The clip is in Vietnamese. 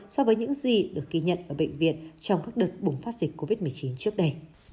so với những gì được ghi nhận ở bệnh viện trong các đợt bùng phát dịch covid một mươi chín trước đây